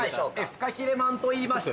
「フカヒレまん」といいまして。